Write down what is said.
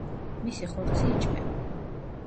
მისი ხორცი იჭმევა.